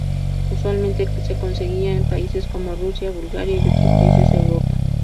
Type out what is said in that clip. Usualmente se conseguía en países como Rusia, Bulgaria y otros países Europa.